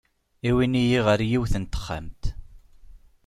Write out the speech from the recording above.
Iwin-iyi ɣer yiwet n texxamt.